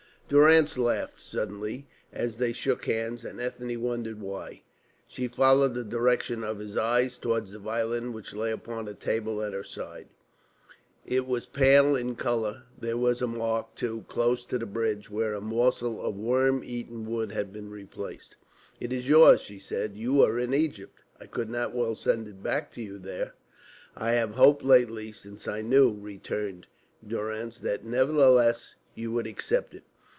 Durrance laughed suddenly as they shook hands, and Ethne wondered why. She followed the direction of his eyes towards the violin which lay upon a table at her side. It was pale in colour; there was a mark, too, close to the bridge, where a morsel of worm eaten wood had been replaced. "It is yours," she said. "You were in Egypt. I could not well send it back to you there." "I have hoped lately, since I knew," returned Durrance, "that, nevertheless, you would accept it."